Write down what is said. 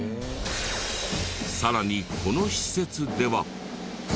さらにこの施設では。